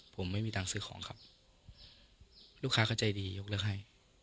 ผมไม่มีตังค์ซื้อของครับลูกค้าก็ใจดียกเลิกให้